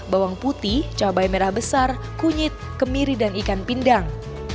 bawang putih cabai merah besar kunyit kemiri dan ikan pindang